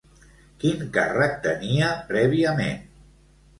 Quin càrrec tenia prèviament?